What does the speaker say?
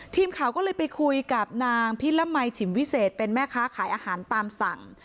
ทีมข่าวก็เลยไปคุยกับนางพิรมัยฉิมวิเศษเป็นแม่ค้าขายอาหารตามสั่ง